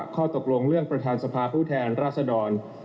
ข้อตกลงเรื่องประธานสภาผู้แทนราษดร